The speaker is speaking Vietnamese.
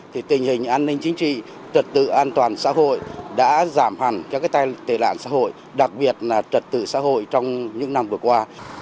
thì tình hình an ninh chính trị trật tự an toàn xã hội đã giảm hẳn các cái tay tề đạn xã hội đặc biệt là trật tự xã hội trong những năm vừa qua